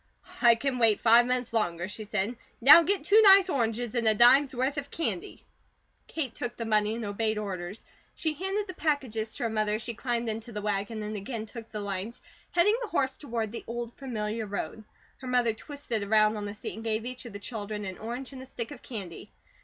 "I can wait five minutes longer," she said. "Now get two nice oranges and a dime's worth of candy." Kate took the money and obeyed orders. She handed the packages to her mother as she climbed into the wagon and again took the lines, heading the horse toward the old, familiar road. Her mother twisted around on the seat and gave each of the children an orange and a stick of candy.